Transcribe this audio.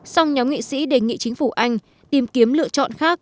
song nhóm nghị sĩ đề nghị chính phủ anh tìm kiếm lựa chọn khác